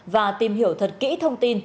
và tìm hiểu thật kỹ thông tin